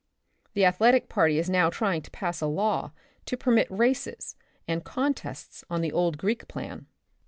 The athletic party is now trying to pass a law to permit races and contests on the old Greek plan.